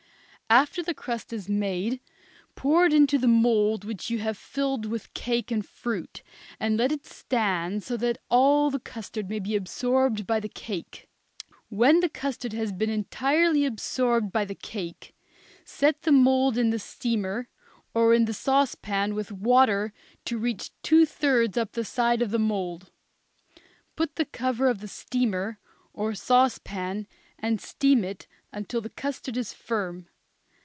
After the custard is made, pour it into the mould which you have filled with cake and fruit, and let it stand so that all the custard may be absorbed by the cake. When the custard has been entirely absorbed by the cake, set the mould in the steamer or in the sauce pan with water to reach two thirds up the side of the mould. Put the cover on the steamer, or sauce pan, and steam it until the custard is firm.